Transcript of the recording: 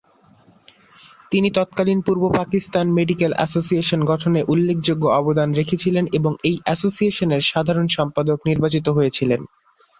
তিনি তৎকালীন পূর্ব Pakistan medical association গঠনে উল্লেখযোগ্য অবদান রেখেছিলেন এবং এই এসোসিয়েশনের সাধারণ সম্পাদক নির্বাচিত হয়েছিলেন।